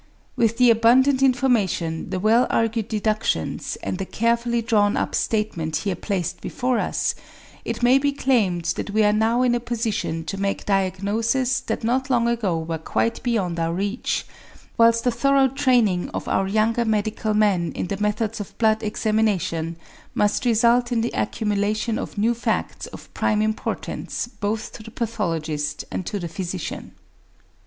With the abundant information, the well argued deductions and the carefully drawn up statement here placed before us it may be claimed that we are now in a position to make diagnoses that not long ago were quite beyond our reach, whilst a thorough training of our younger medical men in the methods of blood examination must result in the accumulation of new facts of prime importance both to the pathologist and to the physician.